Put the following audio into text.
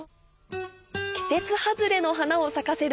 季節外れの花を咲かせる